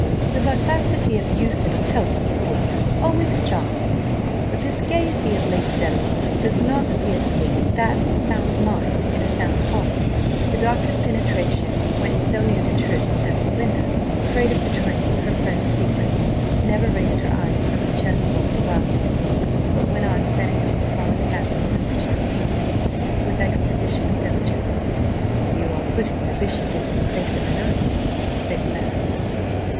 The vivacity of youth and of health, Miss Portman, always charms me; but this gaiety of Lady Delacour's does not appear to me that of a sound mind in a sound body." The doctor's penetration went so near the truth, that Belinda, afraid of betraying her friend's secrets, never raised her eyes from the chess board whilst he spoke, but went on setting up the fallen castles, and bishops, and kings, with expeditious diligence. "You are putting the bishop into the place of the knight," said Clarence.